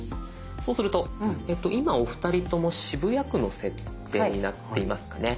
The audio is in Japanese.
そうすると今お二人とも渋谷区の設定になっていますかね。